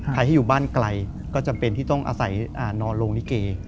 ใครที่อยู่บ้านไกลก็จำเป็นที่ต้องอาศัยนอนลงลิเก